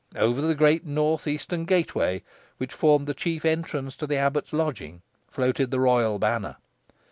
Over the great north eastern gateway, which formed the chief entrance to the abbot's lodging, floated the royal banner.